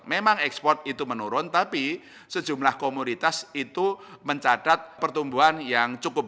memang ekspor itu menurun tapi sejumlah komoditas itu mencatat pertumbuhan yang cukup